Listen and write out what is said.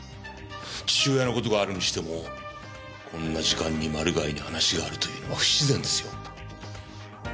父親の事があるにしてもこんな時間にマルガイに話があるというのは不自然ですよ。